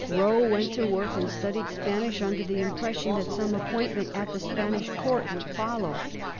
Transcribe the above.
Rowe went to work, and studied Spanish under the impression that some appointment at the Spanish Court would follow.